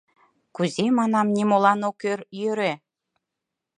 Кузе, манам, «нимолан ок йӧрӧ»?